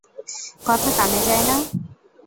কথা কানে যায় না?